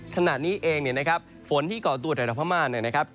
ขณะนี้เองฝนที่ก่อตัวไทยต่อข้างมา